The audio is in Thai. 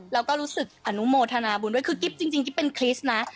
แล้วก็รู้สึกอนุโมทนาบุญด้วยคือกิ๊บจริงกิ๊บเป็นคริสต์นะ